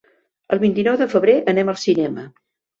El vint-i-nou de febrer anem al cinema.